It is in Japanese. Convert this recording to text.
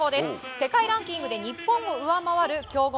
世界ランキングで日本を上回る強豪